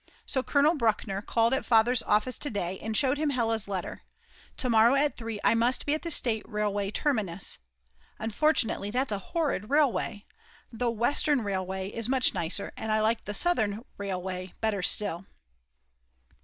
So Colonel Bruckner called at Father's office to day and showed him Hella's letter. To morrow at 3 I must be at the State Railway terminus. Unfortunately that's a horrid railway. The Western Railway is much nicer, and I like the Southern Railway better still.